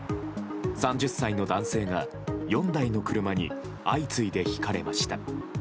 ３０歳の男性が４台の車に相次いでひかれました。